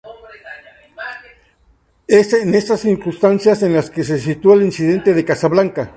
Es en esas circunstancias en las que se sitúa el incidente de Casa Blanca.